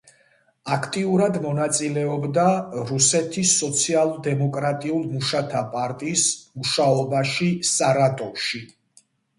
აქტიურად მონაწილეობდა რუსეთის სოციალ-დემოკრატიული მუშაკთა პარტიის მუშაობაში სარატოვში.